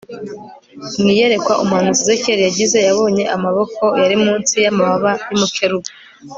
Mu iyerekwa umuhanuzi Ezekiyeli yagize yabonye amaboko yari munsi yamababa yumukerubi